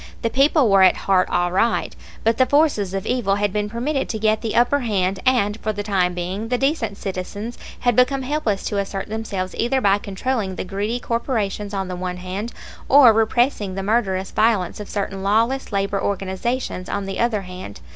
The people were at heart all right; but the forces of evil had been permitted to get the upper hand, and for the time being the decent citizens had become helpless to assert themselves either by controlling the greedy corporations on the one hand or repressing the murderous violence of certain lawless labor organizations on the other hand.